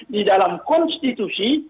di dalam konstitusi